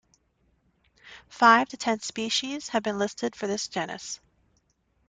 Five to ten species have been listed for this genus.